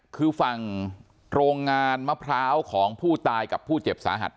คือฝั่งโรงงานมะพร้าวของผู้ตายกับผู้เจ็บสาหัส